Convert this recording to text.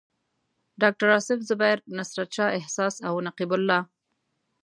ډاکټر اصف زبیر، نصرت شاه احساس او نقیب الله.